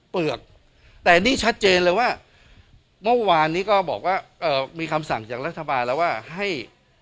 เปลือกแต่นี่ชัดเจนเลยว่าเมื่อวานนี้ก็บอกว่ามีคำสั่งจากรัฐบาลแล้วว่าให้